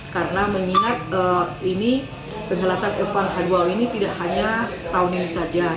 karena mengingat ini pengelatan f satu h dua o ini tidak hanya tahun ini saja